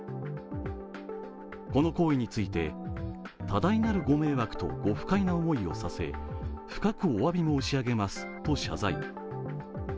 この行為について、多大なるご迷惑とご不快な思いをさせ、深くおわび申し上げますと謝罪。